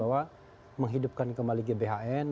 atau untuknya mendetail